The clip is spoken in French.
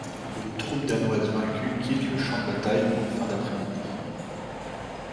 Les troupes danoises vaincues quittent le champ de bataille en fin d'après-midi.